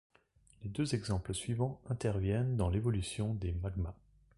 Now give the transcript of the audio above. Les deux exemples suivants interviennent dans l'évolution des magmas.